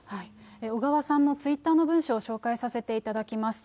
小川さんのツイッターの文章を紹介させていただきます。